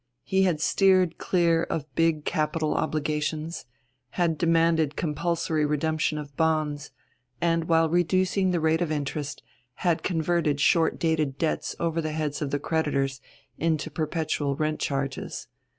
He had steered clear of big capital obligations, had demanded compulsory redemption of bonds, and, while reducing the rate of interest, had converted short dated debts over the heads of the creditors into perpetual rent charges.